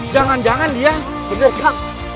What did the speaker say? jangan jangan dia berdekat